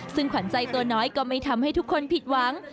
ซึ่งขวัญใจตัวน้อยก็ไม่ทำให้ทุกคนผิดหวัง